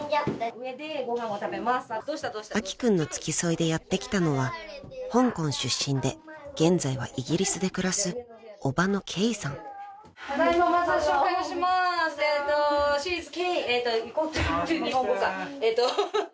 ［明希君の付き添いでやって来たのは香港出身で現在はイギリスで暮らす叔母の］まずは紹介をします。